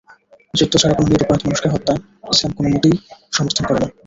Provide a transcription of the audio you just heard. যুদ্ধ ছাড়া কোনো নিরপরাধ মানুষকে হত্যা ইসলাম কোনোমতেই সমর্থন করে না।